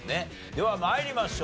では参りましょう。